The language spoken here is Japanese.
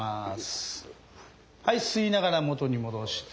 はい吸いながら元に戻して。